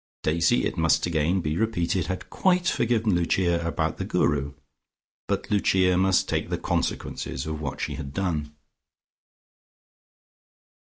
Daisy, it must again be repeated, had quite forgiven Lucia about the Guru, but Lucia must take the consequences of what she had done.